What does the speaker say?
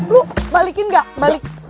lo balikin gak balik